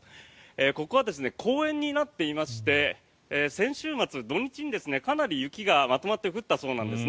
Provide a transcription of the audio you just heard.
ここは公園になっていまして先週末、土日にかなり雪がまとまって降ったそうなんです。